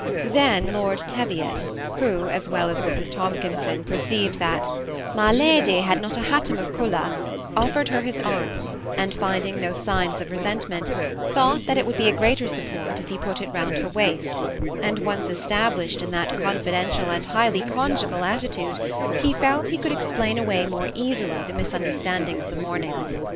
Then Lord TevioC^ who, as Well ae Mrs. Tomkinseci, perceived that '< My ]a,dj had not a hatom of eolor," offered her his arm, and, finding no signs of resentment, thought that it would be a greater support if he put it round her waist ; «nd once established in that confidential and highly conjugal attitude, he felt he could explain away more easily the misunderstanding of the morning.